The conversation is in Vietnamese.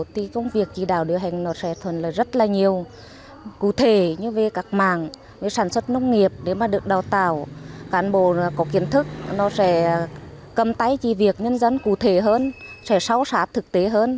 thì công việc chỉ đào điều hành nó sẽ thuần lời rất là nhiều cụ thể như về các mạng sản xuất nông nghiệp để mà được đào tạo cán bộ có kiến thức nó sẽ cầm tay chỉ việc nhân dân cụ thể hơn sẽ sáu sát thực tế hơn